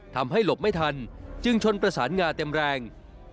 ทำให้หลบไม่ทันจึงชนประสานงาเต็มแรง